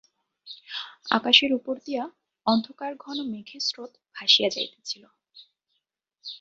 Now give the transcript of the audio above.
আকাশের উপর দিয়া অন্ধকারঘন মেঘের স্রোত ভাসিয়া যাইতেছিল।